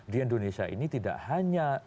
di indonesia ini tidak hanya